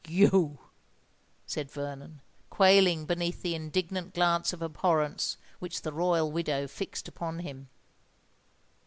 "You!" said Vernon, quailing beneath the indignant glance of abhorrence which the royal widow fixed upon him.